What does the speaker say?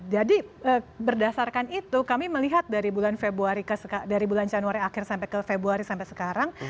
jadi berdasarkan itu kami melihat dari bulan januari sampai februari sampai sekarang